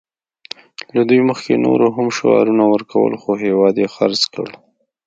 له دوی مخکې نورو هم شعارونه ورکول خو هېواد یې خرڅ کړ